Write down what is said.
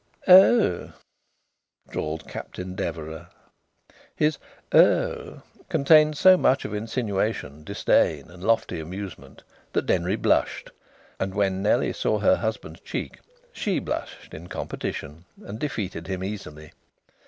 "Oh!" drawled Captain Deverax. His "Oh!" contained so much of insinuation, disdain, and lofty amusement that Denry blushed, and when Nellie saw her husband's cheek she blushed in competition and defeated him easily.